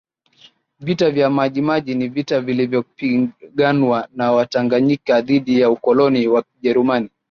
Vita vya Maji Maji ni vita vilivyopiganwa na Watanganyika dhidi ya ukoloni wa kijerumani